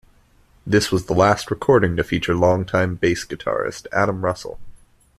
This was the last recording to feature long-time bass guitarist, Adam Russell.